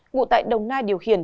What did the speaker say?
ngụ tại đồng nai điều khiển